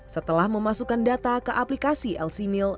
setelah memasukkan data ke aplikasi lc mil